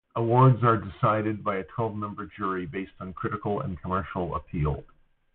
Awards are decided by a twelve-member jury based on critical and commercial appeal.